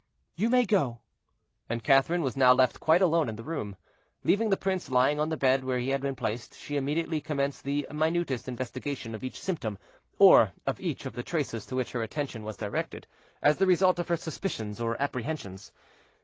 "You may go." And Catherine was now left quite alone in the room. Leaving the prince lying on the bed where he had been placed, she immediately commenced the minutest investigation of each symptom or of each of the traces to which her attention was directed, as the result of her suspicions or apprehensions.